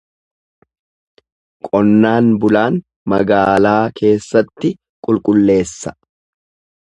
Qonnaan bulaan magaalaa keessatti qulqulleessa.